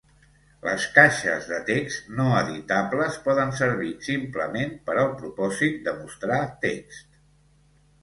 Les caixes de text no editables poden servir, simplement, per al propòsit de mostrar text.